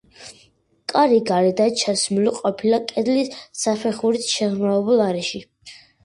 კარი გარედან ჩასმული ყოფილა კედლის საფეხურით შეღრმავებულ არეში.